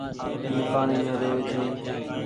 اي پآڻيٚ مين رهوي ڇي۔